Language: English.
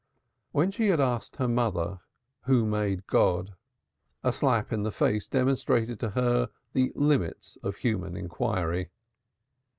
When she asked her mother who made God, a slap in the face demonstrated to her the limits of human inquiry.